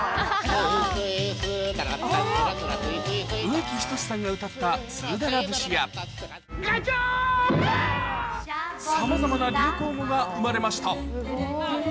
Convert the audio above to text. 植木等さんが歌ったさまざまな流行語が生まれました